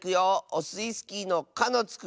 オスイスキーの「か」のつく